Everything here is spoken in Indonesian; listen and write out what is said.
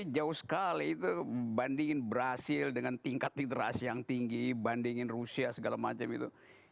jauh sekali itu bandingin brazil dengan tingkat literasi yang tinggi bandingin rusia segala macam itu